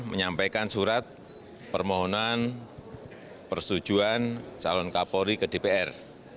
menyampaikan surat permohonan persetujuan calon kapolri ke dpr